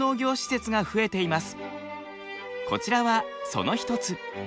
こちらはその一つ。